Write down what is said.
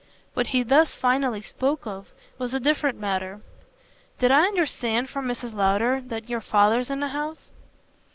What he thus finally spoke of was a different matter. "Did I understand from Mrs. Lowder that your father's in the house?"